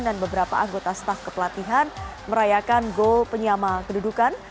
dan beberapa anggota staf kepelatihan merayakan gol penyama kedudukan